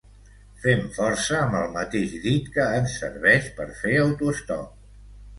Fem força amb el mateix dit que ens serveix per fer autoestop.